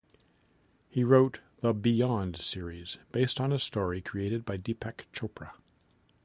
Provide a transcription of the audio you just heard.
He wrote the "Beyond" series, based on a story created by Deepak Chopra.